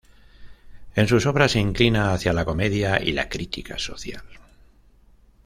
En sus obras se inclina hacia la comedia y la crítica social.